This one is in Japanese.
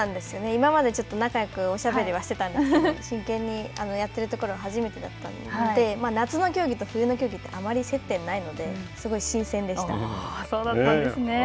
今までちょっと仲よくおしゃべりはしてたんですけれども真剣にやっているところは初めてだったので、夏の競技と冬の競技ってあまり接点がないのですごい新鮮でしそうだったんですね。